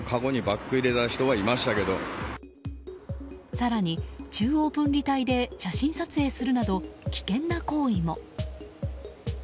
更に中央分離帯で写真撮影するなど危険な行為も。